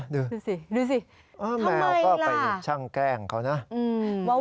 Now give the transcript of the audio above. ดูสิทำไมล่ะอ้าวแมวก็ไปช่างแกล้งเขานะอืม